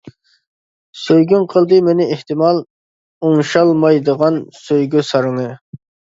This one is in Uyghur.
سۆيگۈڭ قىلدى مېنى ئېھتىمال، ئوڭشالمايدىغان سۆيگۈ سارىڭى.